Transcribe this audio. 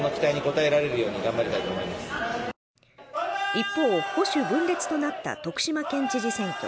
一方保守分裂となった徳島県知事選挙。